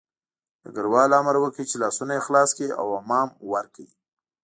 ډګروال امر وکړ چې لاسونه یې خلاص کړه او حمام ورکړه